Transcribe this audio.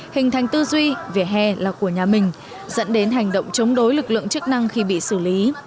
hình thành tư duy về hè là của nhà mình dẫn đến hành động chống đối lực lượng chức năng khi bị xử lý